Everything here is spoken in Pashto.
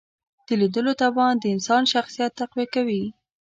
د لیدلو توان د انسان شخصیت تقویه کوي